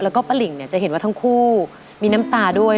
แล้วก็ปะหลิ่งเนี่ยจะเห็นว่าทั้งคู่มีน้ำตาด้วย